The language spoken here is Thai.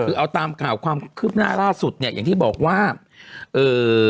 คือเอาตามข่าวความคืบหน้าล่าสุดเนี่ยอย่างที่บอกว่าเอ่อ